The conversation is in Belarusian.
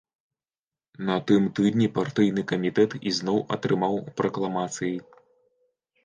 На тым тыдні партыйны камітэт ізноў атрымаў пракламацыі.